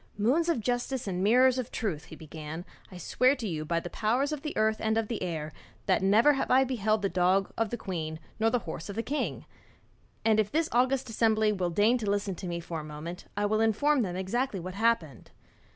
'Moons of justice and mirrors of truth,' he began. 'I swear to you by the powers of earth and of air that never have I beheld the dog of the queen nor the horse of the king. And if this august assembly will deign to listen to me for a moment, I will inform them exactly what happened.